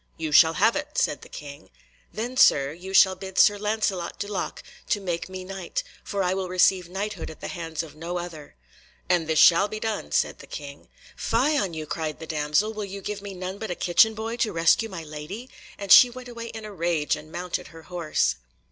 "You shall have it," said the King. "Then, Sir, you shall bid Sir Lancelot du Lake to make me Knight, for I will receive Knighthood at the hands of no other." "All this shall be done," said the King. "Fie on you," cried the damsel, "will you give me none but a kitchen boy to rescue my lady?" and she went away in a rage, and mounted her horse.